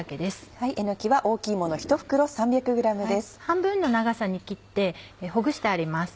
半分の長さに切ってほぐしてあります。